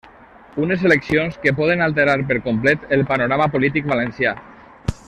Unes eleccions que poden alterar per complet el panorama polític valencià.